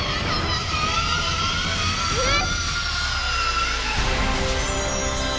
えっ！？